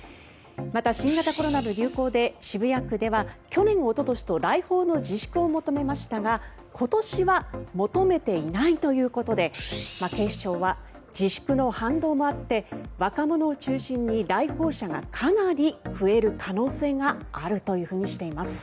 また、新型コロナの流行で渋谷区では去年、おととしと来訪の自粛を求めましたが今年は求めていないということで警視庁は自粛の反動もあって若者を中心に来訪者がかなり増える可能性があるというふうにしています。